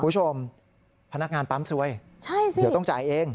พนักงานปั๊มซวยสิเดี๋ยวต้องจ่ายเอง